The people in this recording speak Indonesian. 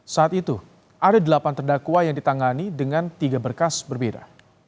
saat itu ada delapan terdakwa yang ditangani dengan tiga berkas berbeda